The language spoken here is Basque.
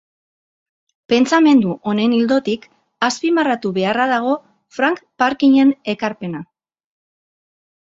Pentsamendu honen ildotik azpimarratu beharra dago Frank Parkinen ekarpena.